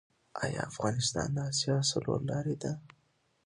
آیا افغانستان د اسیا څلور لارې ده؟